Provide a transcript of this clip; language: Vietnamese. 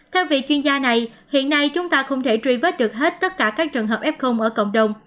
theo vị chuyên gia này hiện nay chúng ta không thể truy vết được hết tất cả các trường hợp f ở cộng đồng